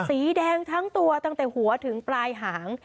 สีแดงทั้งตัวตั้งแต่หัวถึงปลายหาง